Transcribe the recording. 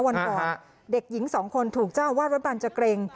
วันก่อนเด็กหญิงสองคนถูกเจ้าอาวาสวัดบันจะเกร็ง